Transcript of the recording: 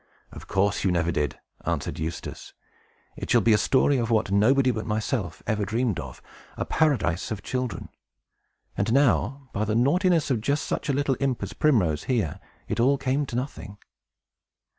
"Of course, you never did," answered Eustace. "It shall be a story of what nobody but myself ever dreamed of, a Paradise of children, and how, by the naughtiness of just such a little imp as Primrose here, it all came to nothing."